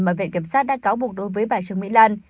mà viện kiểm sát đã cáo buộc đối với bà trương mỹ lan